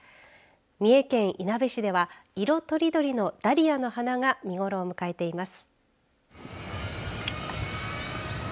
三重県いなべ市では色とりどりのダリアの花が見頃を迎えています。